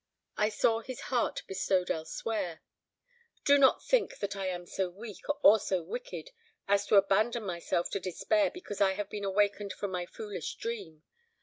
I saw his heart bestowed elsewhere. Do not think that I am so weak, or so wicked, as to abandon myself to despair because I have been awakened from my foolish dream.